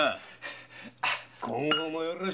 今後もよろしく頼むぜ。